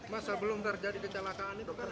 mas sebelum terjadi kecelakaan itu kan